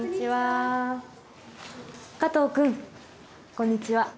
加藤君こんにちは。